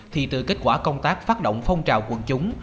thì từ kết quả công tác phát động phong trào quân chúng